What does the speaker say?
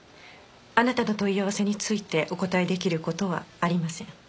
あなたの問い合わせについてお答え出来る事はありません。